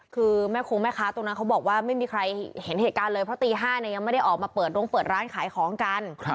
คือแม่คงแม่ค้าตรงนั้นเขาบอกว่าไม่มีใครเห็นเหตุการณ์เลยเพราะตี๕เนี่ยยังไม่ได้ออกมาเปิดโรงเปิดร้านขายของกัน